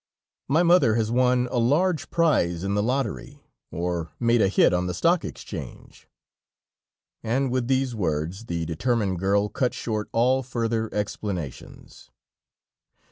"My mother has won a large prize in the lottery, or made a hit on the Stock Exchange." And with these words, the determined girl cut short all further explanations.